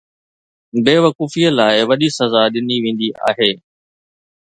بيوقوفيءَ لاءِ وڏي سزا ڏني ويندي آهي.